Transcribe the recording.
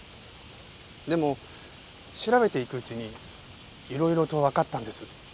でも調べていくうちにいろいろとわかったんです。